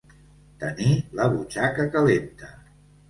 Tenir la butxaca calenta.